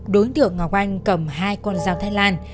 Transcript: đối tượng ngọc anh cầm hai con dao thái lan